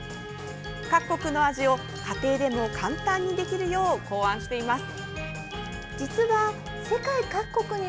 各国の味を家庭でも簡単にできるよう考案しています。